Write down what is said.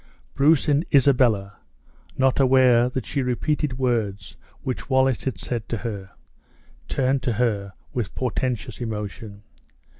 Bruce and Isabella, not aware that she repeated words which Wallace had said to her, turned to her with portentous emotion.